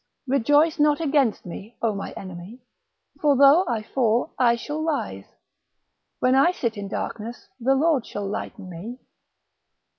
Rejoice not against me, O my enemy; for though I fall, I shall rise: when I sit in darkness, the Lord shall lighten me.